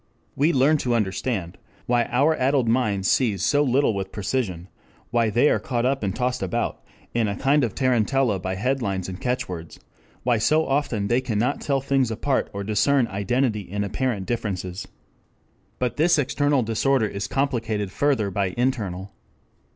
We learn to understand why our addled minds seize so little with precision, why they are caught up and tossed about in a kind of tarantella by headlines and catch words, why so often they cannot tell things apart or discern identity in apparent differences. 5 But this external disorder is complicated further by internal.